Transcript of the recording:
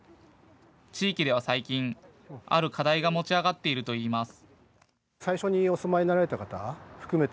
地域では最近、ある課題が持ち上がっているといいます。